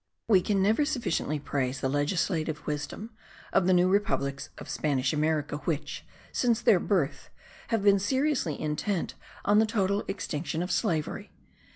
We can never sufficiently praise the legislative wisdom of the new republics of Spanish America which, since their birth, have been seriously intent on the total extinction of slavery.